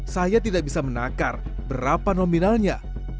saya tidak bisa menakar berapa nominalnya